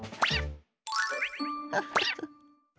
フフフ。